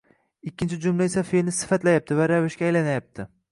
ikkinchi jumlada esa feʼlni sifatlayapti va ravishga aylanyapti